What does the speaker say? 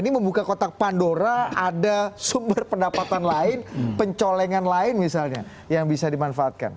ini membuka kotak pandora ada sumber pendapatan lain pencolengan lain misalnya yang bisa dimanfaatkan